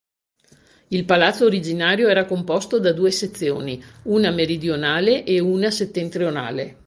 Il palazzo originario era composto da due sezioni, una meridionale e una settentrionale.